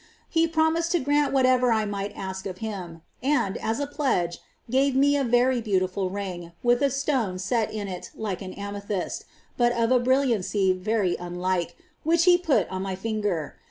He promised to grant whatever I might ask of Him, and, as a pledge, gave me a very beautiful ring, with a stone set in it like an amethyst, but of a brilliancy very unlike, which He put on my finger.